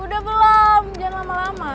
udah belum jangan lama lama